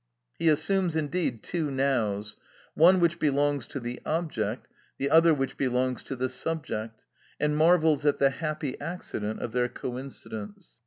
He assumes indeed two nows—one which belongs to the object, the other which belongs to the subject, and marvels at the happy accident of their coincidence.